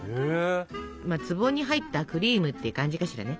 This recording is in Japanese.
「壺に入ったクリーム」って感じかしらね。